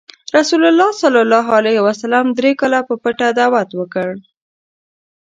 رسول الله ﷺ دری کاله په پټه دعوت وکړ.